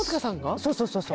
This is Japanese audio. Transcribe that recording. そうそうそうそう。